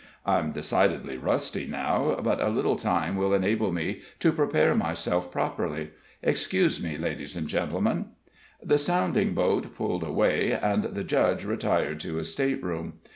"I'm decidedly rusty now, but a little time will enable me to prepare myself properly. Excuse me, ladies and gentlemen." The sounding boat pulled away, and the Judge retired to his stateroom.